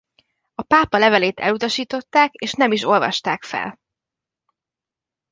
A pápa levelét elutasították és nem is olvasták fel.